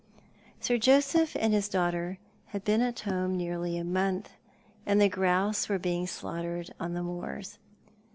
Sir Joseph and his daughter had been at home nearly a month, and the grouse were being slaughtered on the moors.